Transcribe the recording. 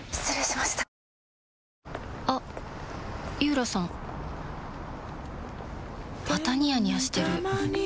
またニヤニヤしてるふふ。